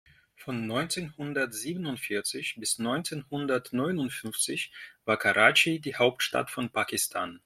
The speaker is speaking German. Von neunzehn-hundert-siebundvierzig bis neunzehn-hundert-neunundfünfzig war Karatschi die Hauptstadt von Pakistan.